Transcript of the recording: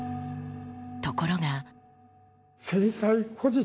ところが。